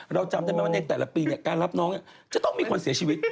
จำได้ไหมว่าในแต่ละปีเนี่ยการรับน้องจะต้องมีคนเสียชีวิต